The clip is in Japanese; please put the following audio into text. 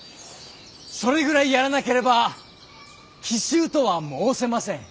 それぐらいやらなければ奇襲とは申せません。